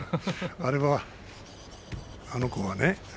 あれはね、あの子はね